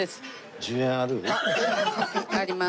あります。